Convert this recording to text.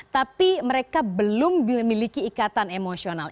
tapi mereka belum memiliki ikatan emosional